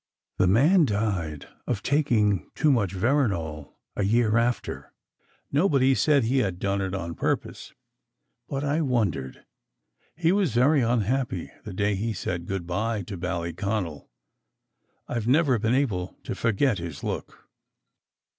The man died of taking too much veronal a year after. Nobody said he had done it on purpose. But I wondered. He was very unhappy the day he said "Good bye" to Ballyconal. I ve never been able to forget his look.